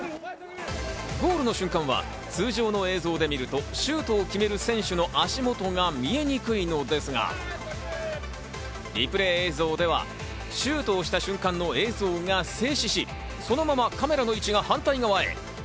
ゴールの瞬間は通常の映像で見るとシュートを決める選手の足元が見えにくいのですが、リプレイ映像ではシュートをした瞬間の映像が制止し、そのままカメラの位置が反対側へ。